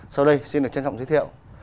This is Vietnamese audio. sau đây xin được trân trọng giới thiệu